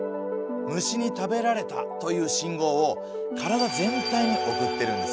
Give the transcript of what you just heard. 「虫に食べられた」という信号を体全体に送ってるんです。